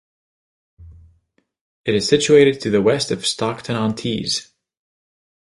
It is situated to the west of Stockton-on-Tees.